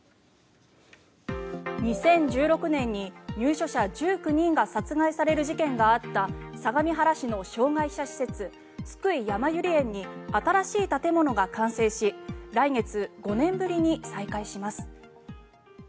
２０１６年に入所者１９人が殺害される事件があった相模原市の障害者施設津久井やまゆり園に新しい建物が完成し来月、５年ぶりに再開します。